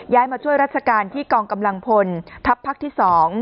มาช่วยราชการที่กองกำลังพลทัพภาคที่๒